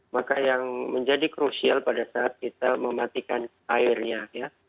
maka yang menjadi krusial pada saat kita mematikan airnya ya